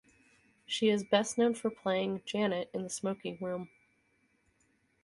She is best known for playing Janet in "The Smoking Room".